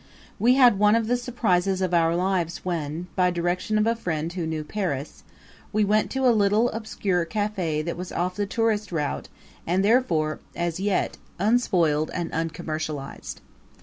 We had one of the surprises of our lives when, by direction of a friend who knew Paris, we went to a little obscure cafe that was off the tourist route and therefore as yet unspoiled and uncommercialized.